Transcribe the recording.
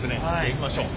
いきましょう。